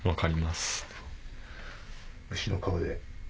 牛の顔で？